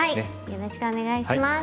よろしくお願いします。